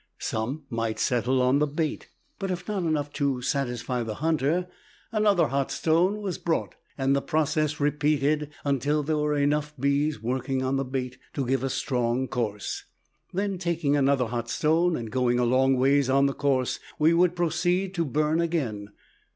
Some might settle on the bait, but if not enough to satisfy the hunter, another hot stone was brought, and the process repeated until there were enough bees working on the bait to give a strong course. Then taking another hot stone and going a long ways on the course we would proceed to burn again.